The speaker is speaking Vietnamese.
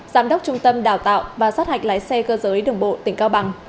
giám đốc trung tâm đào tạo và sát hạch lái xe cơ giới đường bộ tỉnh cao bằng